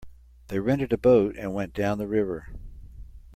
They rented a boat and went down the river.